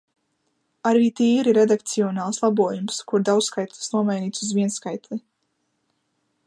Arī tīri redakcionāls labojums, kur daudzskaitlis nomainīts uz vienskaitli.